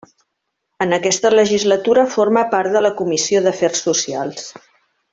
En aquesta legislatura forma part de la comissió d'afers socials.